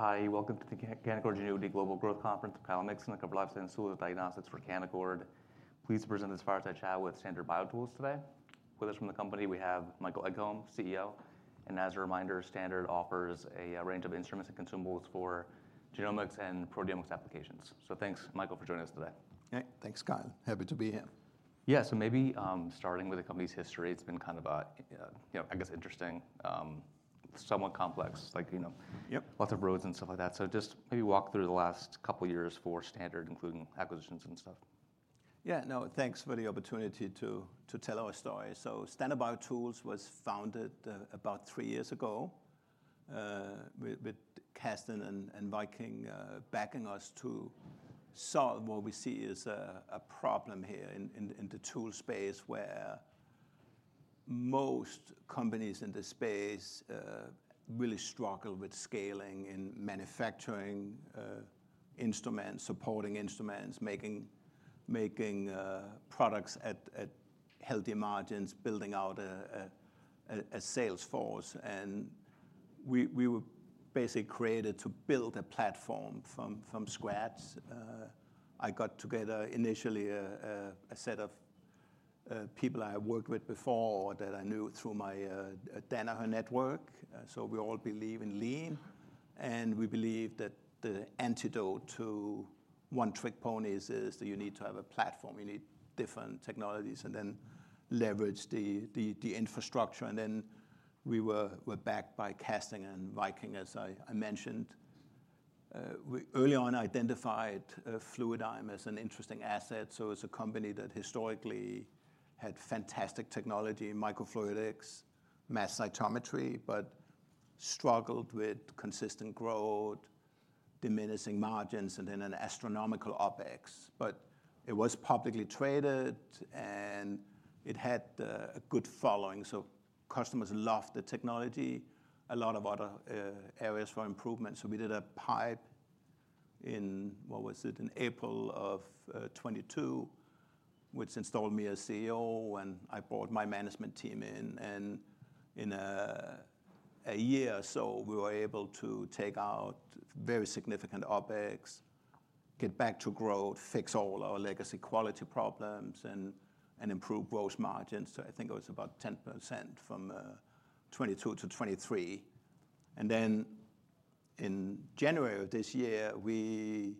Hi, welcome to the Canaccord Genuity Global Growth Conference. Kyle Mikson, covering tools and diagnostics for Canaccord. Pleased to present our chat with Standard BioTools today. With us from the company, we have Michael Egholm, CEO. As a reminder, Standard offers a range of instruments and consumables for genomics and proteomics applications. So thanks, Michael, for joining us today. Hey, thanks, Kyle. Happy to be here. Yeah, so maybe, starting with the company's history, it's been kind of a, you know, I guess interesting, somewhat complex, like, you know- Yep. Lots of roads and stuff like that. So just maybe walk through the last couple of years for Standard, including acquisitions and stuff. Yeah, no, thanks for the opportunity to tell our story. So Standard BioTools was founded about three years ago with Casdin and Viking backing us to solve what we see as a problem here in the tool space, where most companies in this space really struggle with scaling and manufacturing instruments, supporting instruments, making products at healthy margins, building out a sales force. And we were basically created to build a platform from scratch. I got together initially a set of people I worked with before that I knew through my Danaher network. So we all believe in lean, and we believe that the antidote to one-trick ponies is that you need to have a platform. You need different technologies and then leverage the infrastructure. And then we were backed by Casdin and Viking, as I mentioned. We early on identified Fluidigm as an interesting asset. So it's a company that historically had fantastic technology in microfluidics, mass cytometry, but struggled with consistent growth, diminishing margins, and then an astronomical OpEx. But it was publicly traded, and it had a good following, so customers loved the technology. A lot of other areas for improvement. So we did a PIPE in... What was it? In April of 2022, which installed me as CEO, and I brought my management team in. And in a year, so we were able to take out very significant OpEx, get back to growth, fix all our legacy quality problems, and improve gross margins. So I think it was about 10% from 2022 to 2023. And then in January of this year, we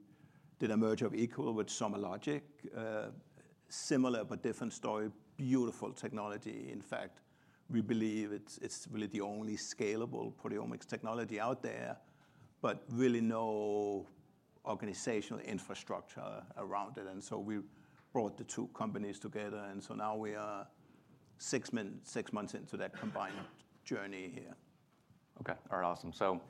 did a merger of equal with SomaLogic. Similar, but different story. Beautiful technology. In fact, we believe it's, it's really the only scalable proteomics technology out there, but really no organizational infrastructure around it. And so we brought the two companies together, and so now we are six months, six months into that combined journey here. Okay, all right, awesome. So,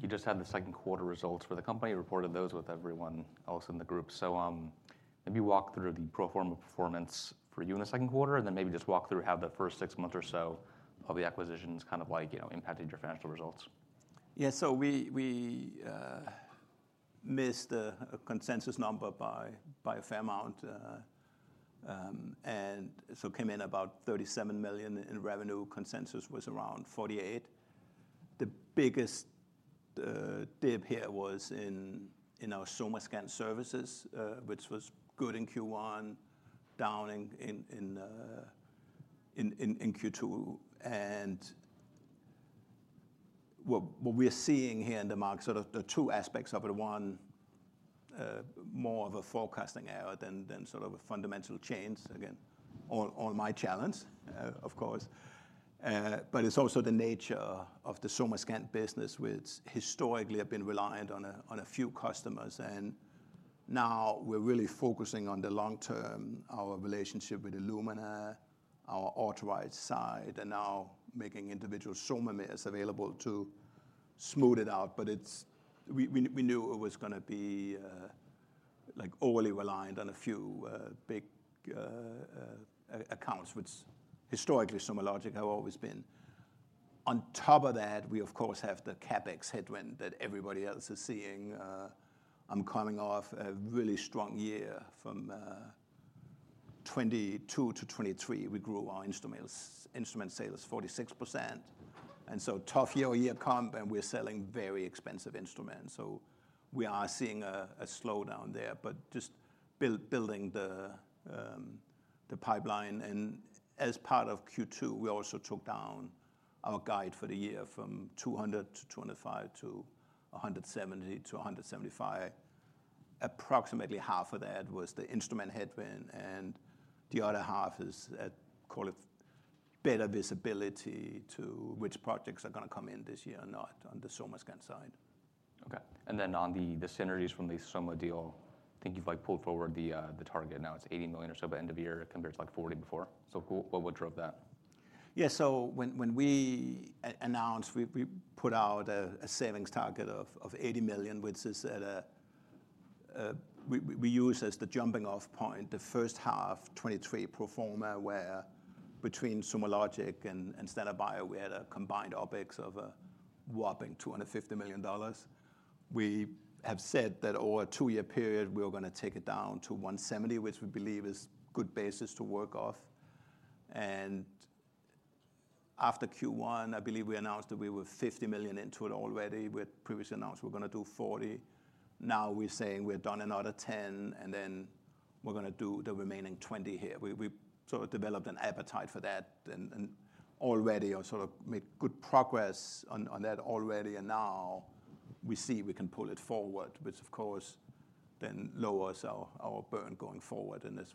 you just had the second quarter results for the company, reported those with everyone else in the group. So, maybe walk through the pro forma performance for you in the second quarter, and then maybe just walk through how the first six months or so of the acquisitions kind of like, you know, impacted your financial results. Yeah, so we missed the consensus number by a fair amount, and so came in about $37 million in revenue. Consensus was around $48 million. The biggest dip here was in our SomaScan services, which was good in Q1, down in Q2. And what we're seeing here in the market, sort of the two aspects of it. One, more of a forecasting error than sort of a fundamental change. Again, all my challenge, of course. But it's also the nature of the SomaScan business, which historically have been reliant on a few customers, and now we're really focusing on the long term, our relationship with Illumina, our authorized side, and now making individual somas available to smooth it out. But it's... We knew it was gonna be like overly reliant on a few big accounts, which historically, SomaLogic have always been. On top of that, we of course have the CapEx headwind that everybody else is seeing. I'm coming off a really strong year. From 2022 to 2023, we grew our instruments, instrument sales 46%. And so tough year-on-year comp, and we're selling very expensive instruments, so we are seeing a slowdown there, but just building the pipeline. And as part of Q2, we also took down our guide for the year from $200-$205 to $170-$175. Approximately half of that was the instrument headwind, and the other half is, call it, better visibility to which projects are gonna come in this year or not on the SomaScan side. Okay. And then on the synergies from the Soma deal, I think you've, like, pulled forward the target. Now it's $80 million or so by end of the year, compared to, like, $40 million before. So what drove that? Yeah. So when we announced, we put out a savings target of $80 million, which is at a. We used as the jumping-off point, the first half 2023 pro forma, where between SomaLogic and Standard Bio, we had a combined OpEx of a whopping $250 million. We have said that over a two-year period, we were gonna take it down to $170 million, which we believe is good basis to work off. And after Q1, I believe we announced that we were $50 million into it already. We had previously announced we're gonna do $40 million, now we're saying we've done another $10 million, and then we're gonna do the remaining $20 million here. We sort of developed an appetite for that, and already have sort of made good progress on that already, and now we see we can pull it forward, which of course then lowers our burn going forward. And as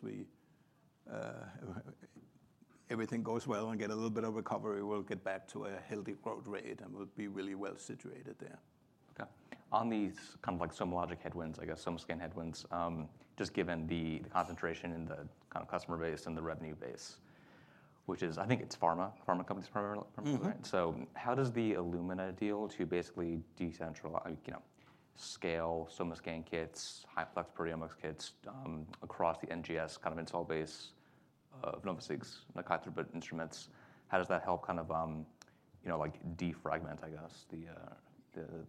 everything goes well and get a little bit of recovery, we'll get back to a healthy growth rate, and we'll be really well situated there. Okay. On these kind of like SomaLogic headwinds, I guess, SomaScan headwinds, just given the concentration in the kind of customer base and the revenue base, which is, I think it's pharma, pharma companies primarily, mm-hmm? Mm-hmm. So how does the Illumina deal to basically decentralize, like, you know, scale SomaScan kits, highplex proteomics kits, across the NGS kind of install base of NovaSeq, like, through instruments, how does that help kind of, you know, like, defragment, I guess,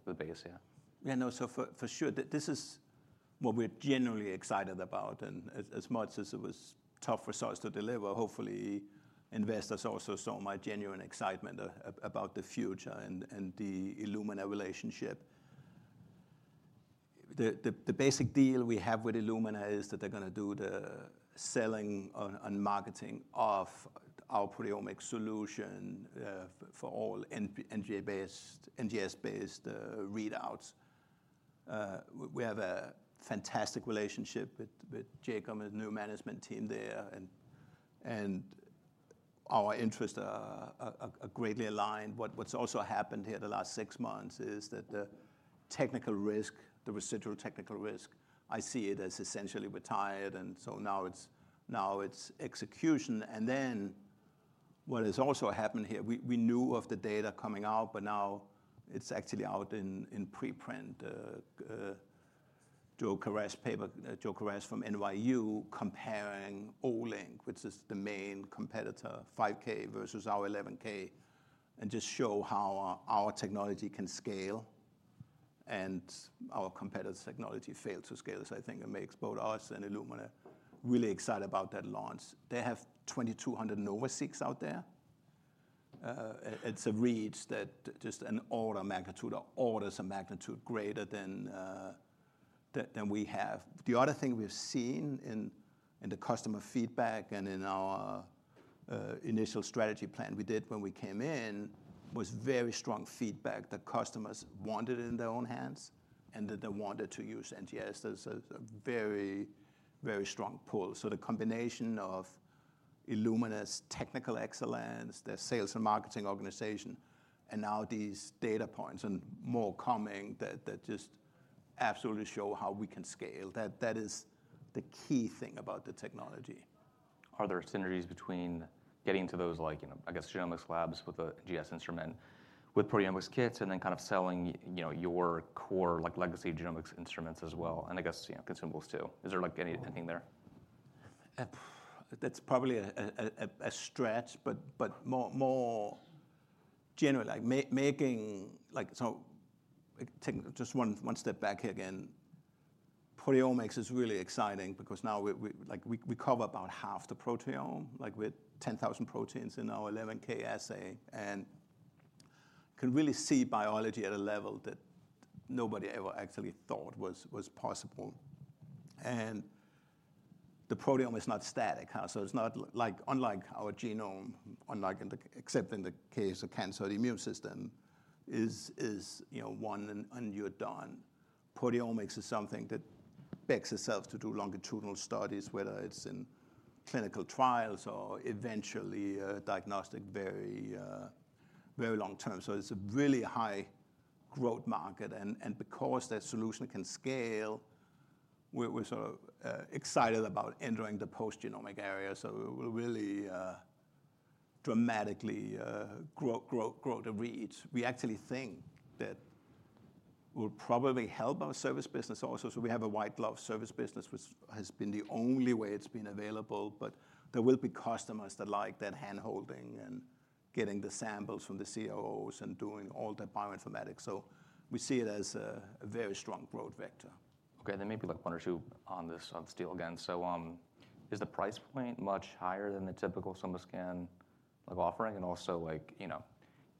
the base here? Yeah, no, so for, for sure. This is what we're generally excited about, and as, as much as it was tough for us to deliver, hopefully investors also saw my genuine excitement about the future and, and the Illumina relationship. The basic deal we have with Illumina is that they're gonna do the selling and, and marketing of our proteomic solution for all NGS-based readouts. We have a fantastic relationship with Jacob and the new management team there, and our interests are greatly aligned. What's also happened here the last six months is that the technical risk, the residual technical risk, I see it as essentially retired, and so now it's execution. Then what has also happened here, we knew of the data coming out, but now it's actually out in preprint, Josef Coresh paper. Josef Coresh from NYU, comparing Olink, which is the main competitor, 5K versus our 11K, and just show how our technology can scale, and our competitor's technology failed to scale. So I think it makes both us and Illumina really excited about that launch. They have 2,200 NovaSeq out there. It's a reach that just an order of magnitude, or orders of magnitude greater than we have. The other thing we've seen in the customer feedback and in our initial strategy plan we did when we came in, was very strong feedback that customers wanted it in their own hands, and that they wanted to use NGS. There's a very, very strong pull. So the combination of Illumina's technical excellence, their sales and marketing organization, and now these data points and more coming, that, that just absolutely show how we can scale. That, that is the key thing about the technology. Are there synergies between getting to those like, you know, I guess, genomics labs with a NGS instrument, with proteomics kits, and then kind of selling, you know, your core, like, legacy genomics instruments as well, and I guess, you know, consumables too? Is there, like, anything there? That's probably a stretch, but more generally, like making, like, so, like taking just one step back here again. Proteomics is really exciting because now we cover about half the proteome, like, with 10,000 proteins in our 11K Assay, and can really see biology at a level that nobody ever actually thought was possible. And the proteome is not static, so it's not like... Unlike our genome, unlike in the case of cancer, the immune system is, you know, one, and you're done. Proteomics is something that begs itself to do longitudinal studies, whether it's in clinical trials or eventually diagnostic, very long-term. So it's a really high growth market, and because that solution can scale, we're sort of excited about entering the post-genomic area. So we'll really dramatically grow, grow, grow the reads. We actually think that we'll probably help our service business also. So we have a white glove service business, which has been the only way it's been available, but there will be customers that like that handholding and getting the samples from the CROs and doing all the bioinformatics. So we see it as a very strong growth vector. Okay, there may be, like, one or two on this, on this deal again. So, is the price point much higher than the typical SomaScan, like, offering? And also, like, you know,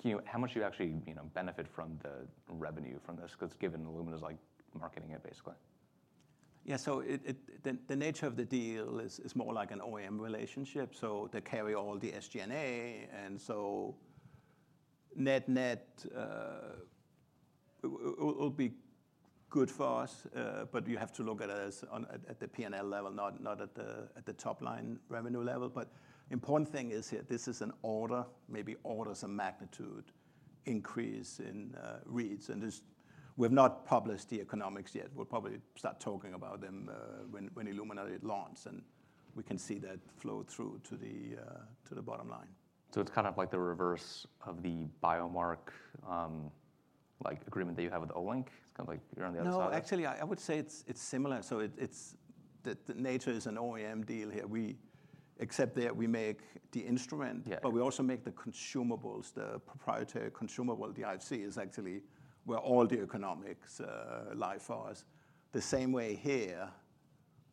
can you, how much do you actually, you know, benefit from the revenue from this? 'Cause given Illumina is, like, marketing it, basically. Yeah, so the nature of the deal is more like an OEM relationship, so they carry all the SG&A, and so net-net, it will be good for us. But you have to look at it as on the P&L level, not at the top line revenue level. But important thing is here, this is an order, maybe orders of magnitude increase in reads, and is... We've not published the economics yet. We'll probably start talking about them when Illumina launches, and we can see that flow through to the bottom line. So it's kind of like the reverse of the Biomark, like agreement that you have with Olink? It's kind of like you're on the other side. No, actually, I would say it's similar. So it's the nature is an OEM deal here. We, except that we make the instrument- Yeah... but we also make the consumables, the proprietary consumable. The IFC is actually where all the economics lie for us. The same way here,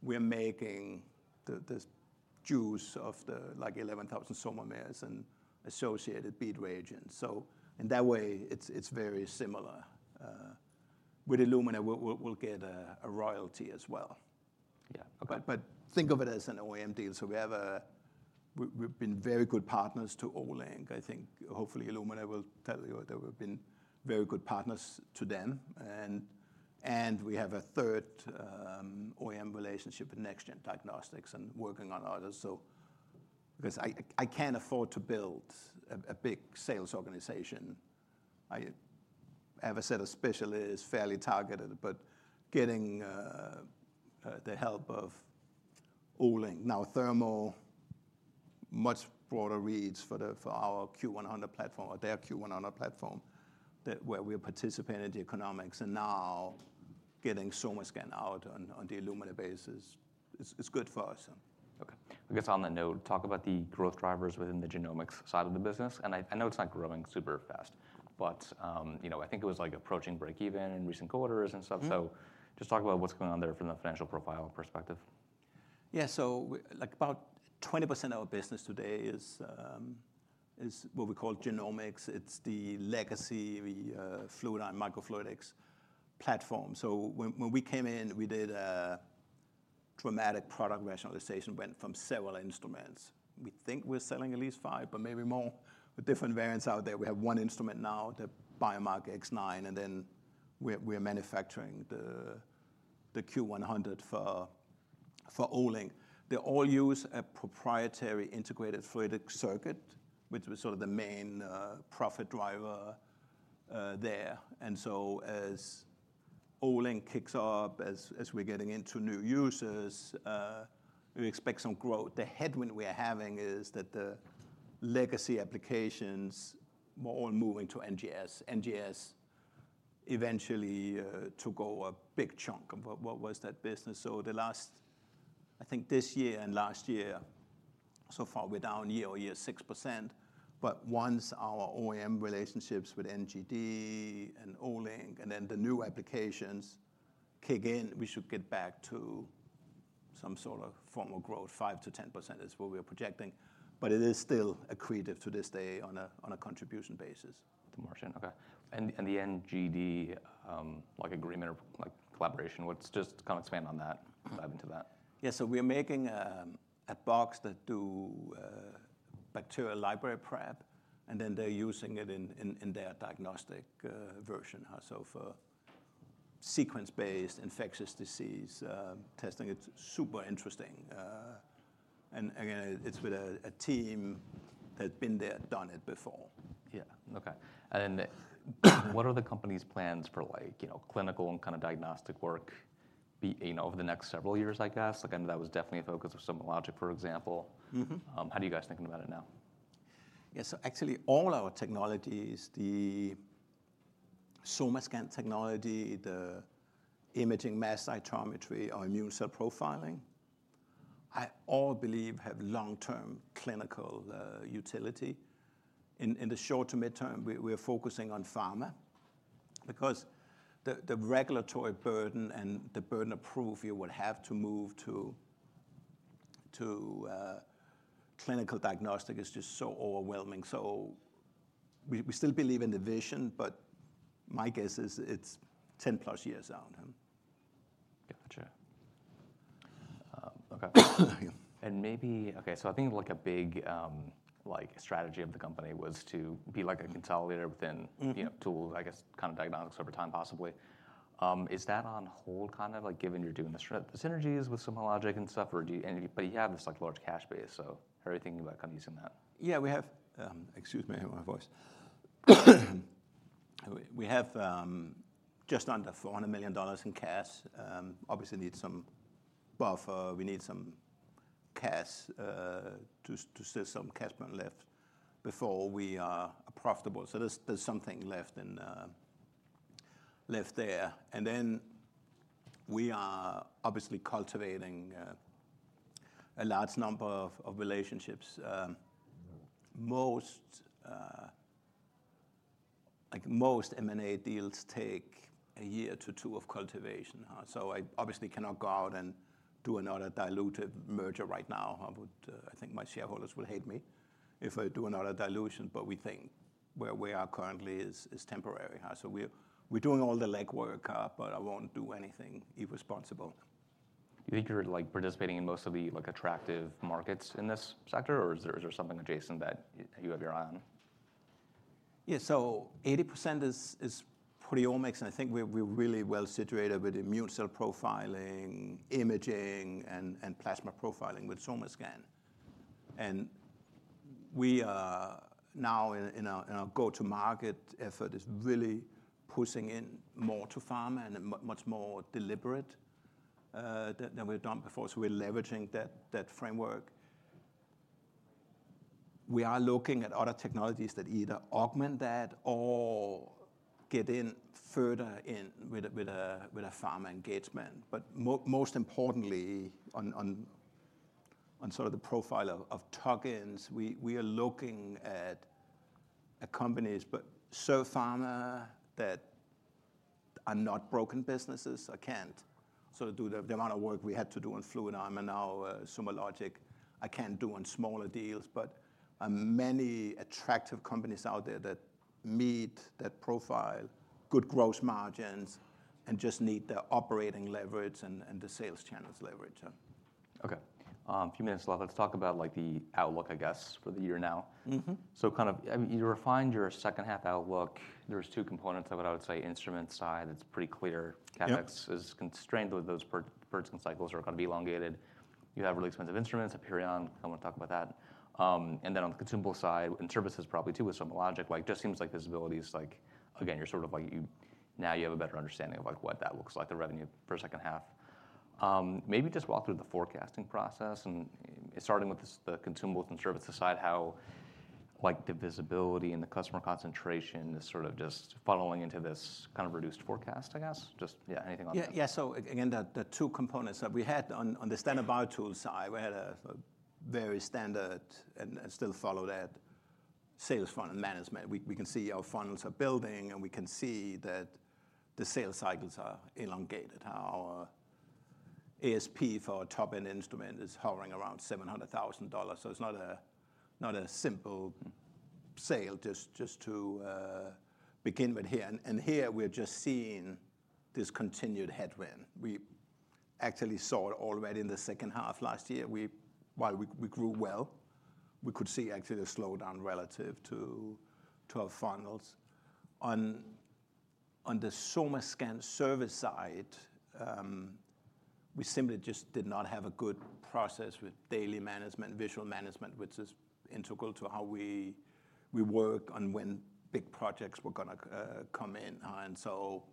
we're making the juice of the, like, 11,000 SomaScan and associated bead reagents. So in that way, it's very similar. With Illumina, we'll get a royalty as well. Yeah. Okay. But think of it as an OEM deal. So we've been very good partners to Olink. I think, hopefully, Illumina will tell you that we've been very good partners to them, and we have a third OEM relationship with NextGen Diagnostics, and working on others, so. Because I can't afford to build a big sales organization. I have a set of specialists, fairly targeted, but getting the help of Olink, now Thermo, much broader reads for our Q100 platform or their Q100 platform, that, where we are participating in the economics, and now getting SomaScan out on the Illumina basis, is good for us, so. Okay. I guess on that note, talk about the growth drivers within the genomics side of the business. And I know it's not growing super fast, but, you know, I think it was, like, approaching breakeven in recent quarters and stuff. Mm-hmm. Just talk about what's going on there from the financial profile perspective. Yeah, so like, about 20% of our business today is what we call genomics. It's the legacy, the Fluidigm microfluidics platform. So when we came in, we did a dramatic product rationalization. Went from several instruments, we think we're selling at least five, but maybe more, with different variants out there. We have one instrument now, the Biomark X9, and then we're manufacturing the Q100 for Olink. They all use a proprietary integrated fluidic circuit, which was sort of the main profit driver there. And so as Olink kicks up, as we're getting into new users, we expect some growth. The headwind we are having is that the legacy applications more on moving to NGS. NGS eventually took over a big chunk of what was that business. So the last... I think this year and last year, so far, we're down year-over-year, 6%, but once our OEM relationships with NGD and Olink, and then the new applications kick in, we should get back to some sort of formal growth. 5%-10% is what we are projecting, but it is still accretive to this day on a contribution basis. The margin, okay. And the NGD, like agreement or like collaboration. Just kind of expand on that. Dive into that. Yeah, so we are making a box that do bacterial library prep, and then they're using it in their diagnostic version. So for sequence-based infectious disease testing, it's super interesting. And again, it's with a team that had been there, done it before. Yeah. Okay. And what are the company's plans for, like, you know, clinical and kind of diagnostic work, you know, over the next several years, I guess? Again, that was definitely a focus of SomaLogic, for example. Mm-hmm. How are you guys thinking about it now? Yeah, so actually, all our technologies, the SomaScan technology, the Imaging Mass Cytometry, our immune cell profiling, I all believe have long-term clinical utility. In the short to mid-term, we are focusing on pharma, because the regulatory burden and the burden of proof you would have to move to clinical diagnostic is just so overwhelming. So we still believe in the vision, but my guess is, it's 10+ years out. Gotcha. Okay. And maybe... Okay, so I think, like, a big, like, strategy of the company was to be, like, a consolidator within- Mm-hmm... you know, tool, I guess, kind of diagnostics over time, possibly. Is that on hold, kind of, like, given you're doing the synergies with SomaLogic and stuff, or do you-- But you have this, like, large cash base, so how are you thinking about kind of using that? Yeah, we have... Excuse me, my voice. We have just under $400 million in cash. Obviously, need some buffer. We need some cash to set some cash burn left before we are profitable. So there's something left in left there. And then we are obviously cultivating a large number of relationships. Most, like, most M&A deals take a year to two of cultivation, so I obviously cannot go out and do another diluted merger right now. I would, I think my shareholders will hate me if I do another dilution, but we think where we are currently is temporary. So we're doing all the legwork, but I won't do anything irresponsible. You think you're, like, participating in most of the, like, attractive markets in this sector, or is there, is there something adjacent that you have your eye on? Yeah, so 80% is proteomics, and I think we're really well situated with immune cell profiling, imaging, and plasma profiling with SomaScan. And we are now in a go-to-market effort that is really pushing in more to pharma and much more deliberate than we've done before. So we're leveraging that framework. We are looking at other technologies that either augment that or get in further in with a pharma engagement. But most importantly, on sort of the profile of tuck-ins. We are looking at companies, but so pharma that are not broken businesses. I can't sort of do the amount of work we had to do on Fluidigm and now SomaLogic. I can't do on smaller deals, but many attractive companies out there that meet that profile, good gross margins, and just need the operating leverage and, and the sales channels leverage, so. Okay. A few minutes left. Let's talk about, like, the outlook, I guess, for the year now. Mm-hmm. So kind of, you refined your second half outlook. There's two components of it, I would say. Instrument side, it's pretty clear. Yeah. CapEx is constrained, with those purchase cycles are gonna be elongated. You have really expensive instruments, Hyperion, I wanna talk about that. And then on the consumable side, and services probably, too, with SomaLogic, like, just seems like visibility is, like... Again, you're sort of, like, you now you have a better understanding of, like, what that looks like, the revenue for second half. Maybe just walk through the forecasting process, and, and starting with this, the consumables and services side, how, like, the visibility and the customer concentration is sort of just funneling into this kind of reduced forecast, I guess? Just, yeah, anything on that. Yeah, yeah. So again, the two components that we had on the- Yeah... On the Standard BioTools side, we had a very standard and still follow that sales funnel management. We can see our funnels are building, and we can see that the sales cycles are elongated. Our ASP for our top-end instrument is hovering around $700,000, so it's not a simple sale, just to begin with here. And here, we're just seeing this continued headwind. We actually saw it already in the second half last year. We, while we grew well, we could see actually the slowdown relative to our funnels. On the SomaScan service side, we simply just did not have a good process with daily management, visual management, which is integral to how we work on when big projects were gonna come in. And so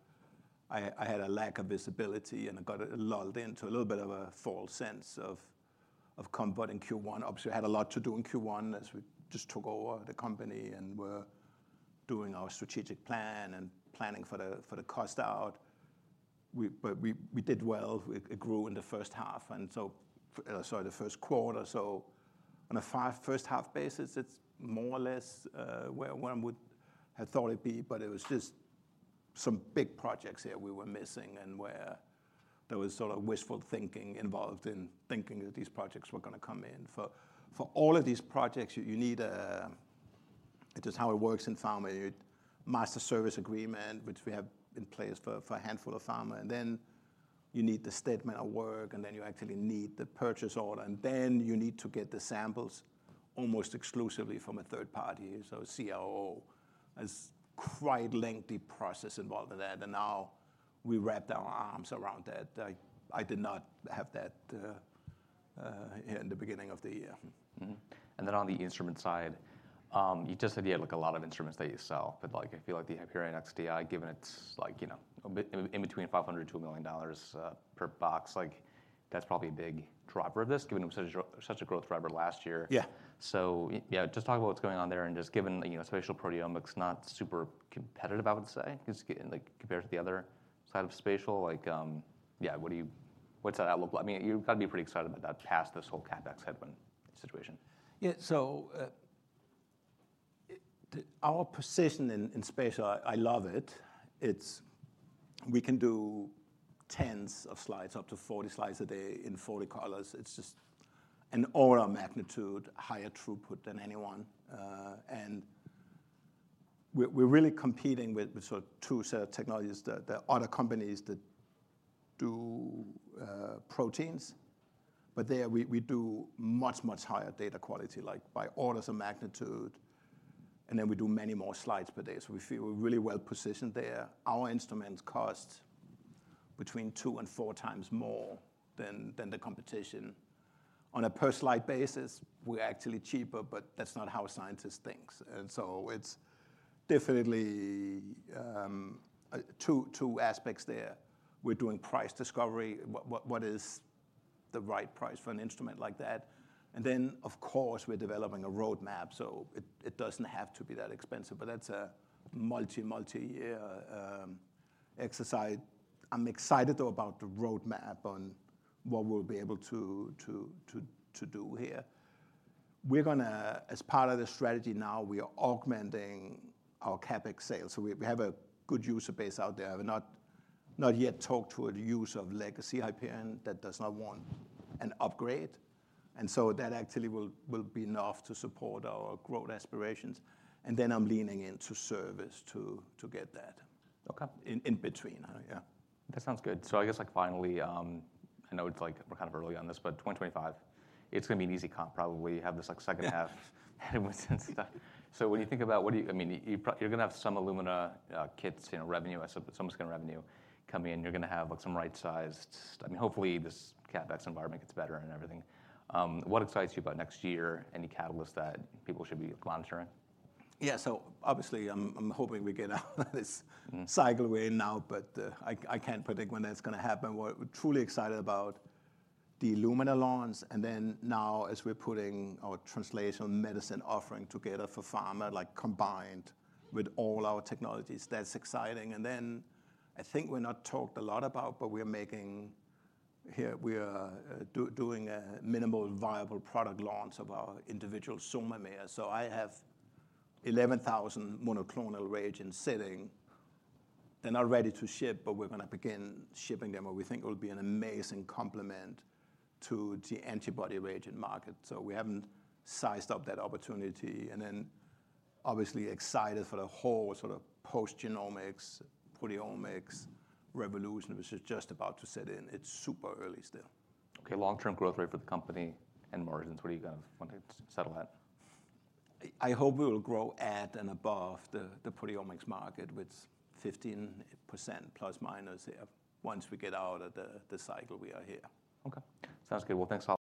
I had a lack of visibility, and I got lulled into a little bit of a false sense of comfort in Q1. Obviously, I had a lot to do in Q1, as we just took over the company, and we're doing our strategic plan and planning for the cost out. But we did well. It grew in the first half, and so, Sorry, the first quarter. So on a first half basis, it's more or less where one would have thought it'd be, but it was just some big projects here we were missing, and where there was sort of wishful thinking involved in thinking that these projects were gonna come in. For all of these projects, you need. It's just how it works in pharma. Your master service agreement, which we have in place for a handful of pharma, and then you need the statement of work, and then you actually need the purchase order, and then you need to get the samples almost exclusively from a third party, so a CRO. It's quite a lengthy process involved with that, and now we wrapped our arms around that. I did not have that in the beginning of the year. Mm-hmm. And then, on the instrument side, you just said you had, like, a lot of instruments that you sell, but, like, I feel like the Hyperion XTi, given it's, like, you know, in between $500-$1 million per box, like, that's probably a big driver of this, given it was such a growth driver last year. Yeah. Yeah, just talk about what's going on there, and just given, you know, spatial proteomics, not super competitive, I would say, 'cause, like, compared to the other side of spatial, like, yeah, what do you... What's that look like? I mean, you've got to be pretty excited about that past this whole CapEx headwind situation. Yeah, so, our position in spatial, I love it. It's. We can do tens of slides, up to 40 slides a day in 40 colors. It's just an order of magnitude higher throughput than anyone. And we're really competing with sort of two set of technologies, the other companies that do proteins, but they are. We do much, much higher data quality, like, by orders of magnitude, and then we do many more slides per day. So we feel we're really well-positioned there. Our instruments cost between 2x and 4x more than the competition. On a per slide basis, we're actually cheaper, but that's not how a scientist thinks, and so it's definitely two aspects there. We're doing price discovery. What is the right price for an instrument like that? And then, of course, we're developing a roadmap, so it doesn't have to be that expensive, but that's a multi-year exercise. I'm excited, though, about the roadmap on what we'll be able to do here. We're gonna... As part of the strategy now, we are augmenting our CapEx sales. So we have a good user base out there. I've not yet talked to a user of legacy IMC that does not want an upgrade, and so that actually will be enough to support our growth aspirations, and then I'm leaning into service to get that- Okay... in between. Yeah. That sounds good. So I guess, like, finally, I know it's, like, we're kind of early on this, but 2025, it's gonna be an easy comp probably, you have this, like, second half-... and stuff. So when you think about, what do you... I mean, you're gonna have some Illumina kits, you know, revenue, so some of it's gonna revenue coming in. You're gonna have, like, some right-sized... I mean, hopefully, this CapEx environment gets better and everything. What excites you about next year? Any catalysts that people should be monitoring? Yeah, so obviously, I'm hoping we get out of this- Mm... cycle we're in now, but I can't predict when that's gonna happen. We're truly excited about the Illumina launch, and then now, as we're putting our translational medicine offering together for pharma, like, combined with all our technologies, that's exciting. And then, I think we've not talked a lot about, but we are doing a minimal viable product launch of our individual SOMAmer. So I have 11,000 monoclonal reagent sitting. They're not ready to ship, but we're gonna begin shipping them, and we think it'll be an amazing complement to the antibody reagent market. So we haven't sized up that opportunity, and then obviously excited for the whole sort of post-genomics, proteomics revolution, which is just about to set in. It's super early still. Okay. Long-term growth rate for the company and margins, what are you gonna want to settle at? I hope we will grow at and above the proteomics market, which is 15% ±, yeah, once we get out of the cycle we are here. Okay. Sounds good. Well, thanks a lot.